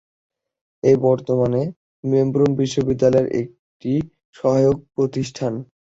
এটি বর্তমানে মেলবোর্ন বিশ্ববিদ্যালয়ের একটি সহায়ক প্রতিষ্ঠান।